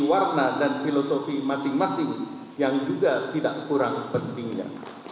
warna dan filosofi masing masing yang juga tidak kurang pentingnya